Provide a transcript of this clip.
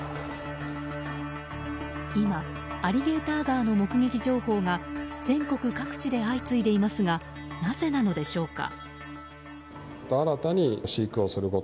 今、アリゲーターガーの目撃情報が全国各地で相次いでいますがなぜなのでしょうか。